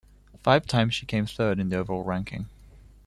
Five times she came in third in the overall ranking.